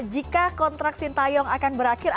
jika kontrak sintayong akan berakhir